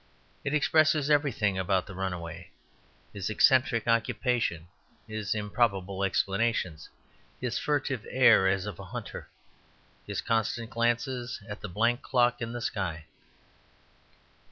It expresses everything about the run away: his eccentric occupation, his improbable explanations, his furtive air as of a hunter, his constant glances at the blank clock in the sky.